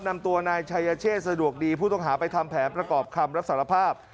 นำตัวนายชายเชษสะดวกดีผู้ต้องหาไปทำแผนประกอบคำรับสารภาพ